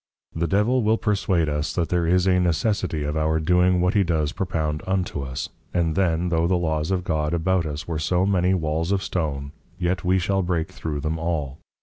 _ The Devil will perswade us that there is a Necessity of our doing what he does propound unto us; and then tho' the Laws of God about us were so many Walls of Stone, yet we shall break through them all.